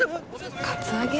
カツアゲ？